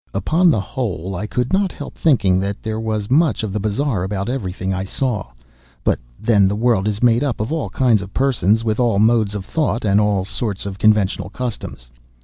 Upon the whole, I could not help thinking that there was much of the bizarre about every thing I saw—but then the world is made up of all kinds of persons, with all modes of thought, and all sorts of conventional customs.